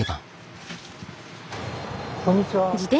こんにちは。